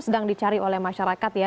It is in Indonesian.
sedang dicari oleh masyarakat ya